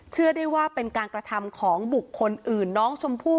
เชื่อได้ว่าเป็นการกระทำของบุคคลอื่นน้องชมพู่